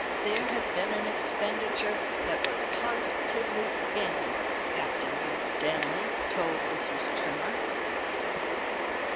There had been an expenditure that was positively scandalous, Captain Winstanley told Mrs. Trimmer.